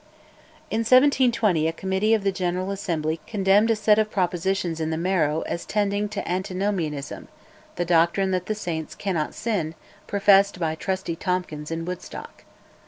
In 1720 a Committee of the General Assembly condemned a set of propositions in the Marrow as tending to Antinomianism (the doctrine that the saints cannot sin, professed by Trusty Tompkins in 'Woodstock').